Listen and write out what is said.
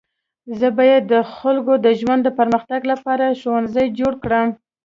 زه باید د خلکو د ژوند د پرمختګ لپاره ښوونځی جوړه کړم.